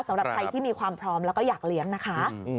สำหรับใครที่มีความพร้อมแล้วก็อยากเลี้ยงนะคะ